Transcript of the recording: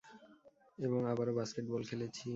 এবং আবারো বাস্কেটবল খেলেছি।